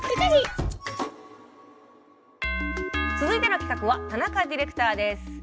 続いての企画は田中ディレクターです。